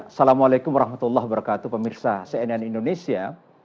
assalamualaikum wr wb pemirsa cnn indonesia